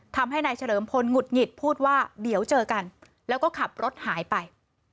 ทำให้นายเฉลิมพลหงุดหงิดพูดว่าเดี๋ยวเจอกันแล้วก็ขับรถหายไป